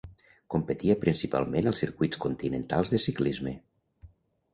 Competia principalment als circuits continentals de ciclisme.